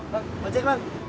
bang baca kemana